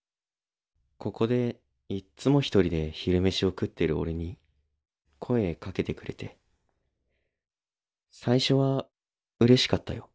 ここでいっつも一人で昼飯を食ってる俺に声かけてくれて最初はうれしかったよ。